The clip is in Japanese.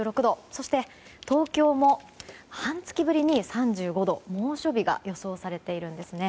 そして、東京も半月ぶりに３５度猛暑日が予想されているんです。